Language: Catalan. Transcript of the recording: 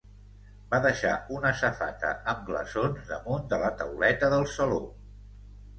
Va deixar una safata amb glaçons damunt de la tauleta del saló.